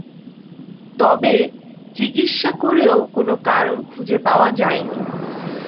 তবে, চিকিৎসা করেও কোন কারণ খুঁজে পাওয়া যায়নি।